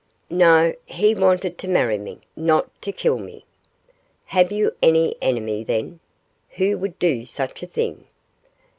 'No; he wanted to marry me, not to kill me.' 'Have you any enemy, then, who would do such a thing?